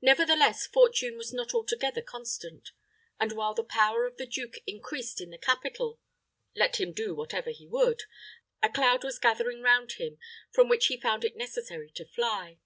Nevertheless, fortune was not altogether constant; and while the power of the duke increased in the capital, let him do whatever he would, a cloud was gathering round him from which he found it necessary to fly.